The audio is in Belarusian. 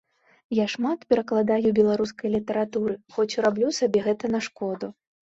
Я шмат перакладаю беларускай літаратуры, хоць і раблю сабе гэта на шкоду.